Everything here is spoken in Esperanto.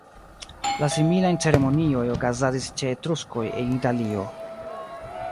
La similajn ceremonioj okazadis ĉe Etruskoj en Italio.